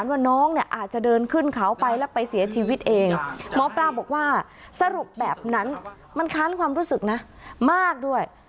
บอกว่าสรุปแบบนั้นมันค้านความรู้สึกมากด้วย